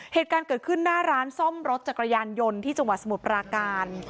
เหตุการณ์เกิดขึ้นหน้าร้านซ่อมรถจักรยานยนต์ที่จังหวัดสมุทรปราการ